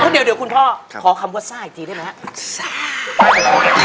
เดี๋ยวคุณพ่อขอคำว่าซ่าอีกทีได้ไหมครับ